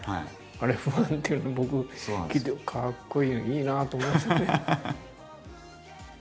あれファンっていうのを僕聞いてかっこいいいいなと思いましたね。